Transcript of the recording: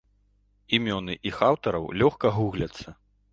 Імёны іх аўтараў лёгка гугляцца.